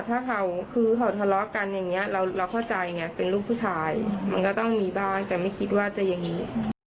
ถ้าเขาคือเขาทะเลาะกันอย่างนี้เราเข้าใจไงเป็นลูกผู้ชายมันก็ต้องมีบ้างแต่ไม่คิดว่าจะอย่างนี้